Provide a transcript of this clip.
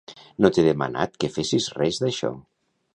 No t'he demanat que fessis res d'això.